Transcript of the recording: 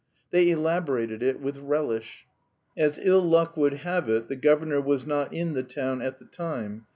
They elaborated it with relish. As ill luck would have it, the governor was not in the town at the time.